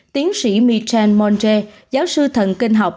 tiến sĩ michele monge giáo sư thần kinh học